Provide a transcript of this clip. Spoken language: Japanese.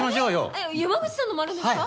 えっ山口さんのもあるんですか？